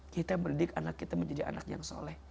kita mendidik anak kita menjadi anak yang soleh